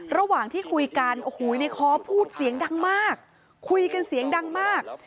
ระหว่างที่คุยกันโอ้โหในคอพูดเสียงดังมากคุยกันเสียงดังมาก